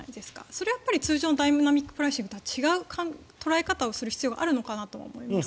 それは通常のダイナミック・プライシングとは違う捉え方をする必要があるのかなと思います。